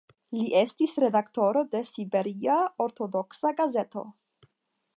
Li estis redaktoro de "Siberia ortodoksa gazeto".